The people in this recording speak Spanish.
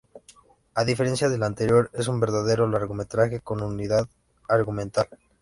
A diferencia del anterior, es un verdadero largometraje, con unidad argumental.